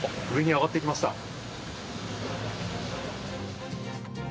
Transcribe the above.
上に上がっていきました。